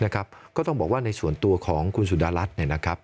ก็ต้องบอกว่าในส่วนตัวของคุณสุดารัฐ